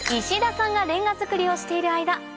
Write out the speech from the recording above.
石田さんがレンガ作りをしている間